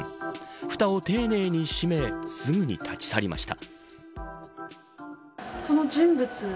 ふたを丁寧に閉めすぐに立ち去りました。